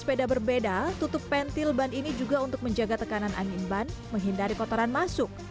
sepeda berbeda tutup pentil ban ini juga untuk menjaga tekanan angin ban menghindari kotoran masuk